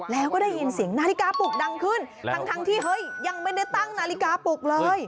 แล้วก็ได้ยินเสียงนาฬิกาปลุกดังขึ้นทั้งที่เฮ้ยยังไม่ได้ตั้งนาฬิกาปลุกเลย